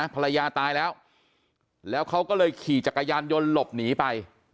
ภรรยาตายแล้วแล้วเขาก็เลยขี่จักรยานยนต์หลบหนีไป